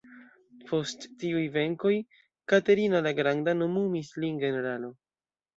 Post tiuj venkoj, Katerina la Granda nomumis lin generalo.